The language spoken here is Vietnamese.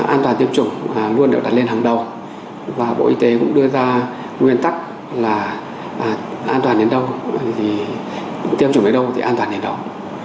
an toàn tiêm chủng luôn được đặt lên hàng đầu và bộ y tế cũng đưa ra nguyên tắc là an toàn đến đâu thì tiêm chủng ở đâu thì an toàn đến đó